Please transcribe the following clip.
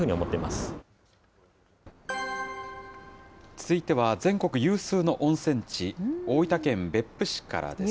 続いては全国有数の温泉地、大分県別府市からです。